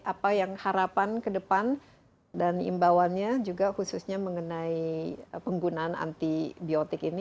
apa yang harapan ke depan dan imbauannya juga khususnya mengenai penggunaan antibiotik ini